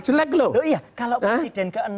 jelek loh iya kalau presiden ke enam